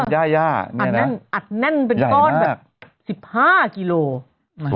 ย่าย่าย่าอัดแน่นเป็นก้อนแบบ๑๕กิโลเมตร